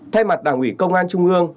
thay mặt đảng ủy công an trung ương